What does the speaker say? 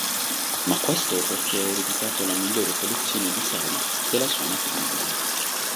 Ma questo perché ha ereditato la migliore collezione di sari della sua matrigna.